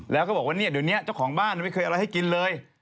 แล้วก็บอกว่าเนี่ยเดี๋ยวนี้เจ้าของบ้านไม่เคยอะไรให้กินเลย